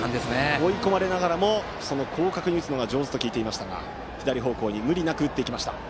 追い込まれながらも広角に打つのが上手だと聞いていましたが左方向に無理なく打っていきました、堀山。